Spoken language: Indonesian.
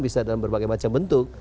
bisa dalam berbagai macam bentuk